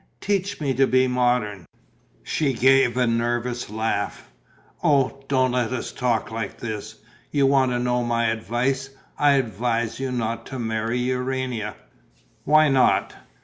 "Teach me to be modern." She gave a nervous laugh: "Oh, don't let us talk like this! You want to know my advice. I advise you not to marry Urania." "Why not?"